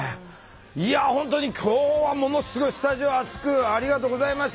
いや本当に今日はものすごいスタジオ熱くありがとうございました。